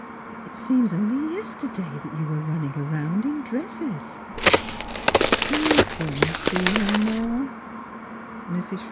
It seems only yesterday that you were running around in dresses." " And you'll go an' see her, ma?